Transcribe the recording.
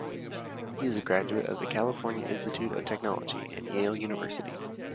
He is a graduate of the California Institute of Technology, and Yale University.